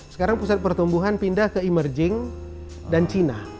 sekarang pusat pertumbuhan pindah ke emerging dan cina